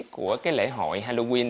của cái lễ hội halloween